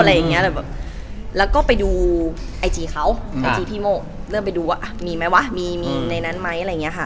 เราก็ไปดูไอจีพี่โม่มีไหมหรือไม่